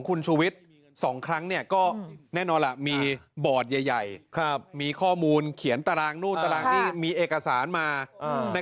คุณผู้ชมครับ